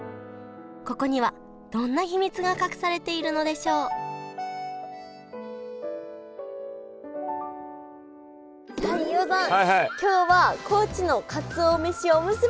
ここにはどんな秘密が隠されているのでしょうさあ飯尾さん。今日は高知のかつお飯おむすびです。